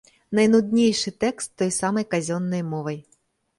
Найнуднейшы тэкст той самай казённай мовай.